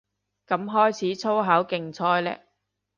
噉開始粗口競賽嘞